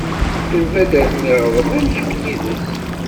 Tembaddalem iɣeḍmen kemm yid-s.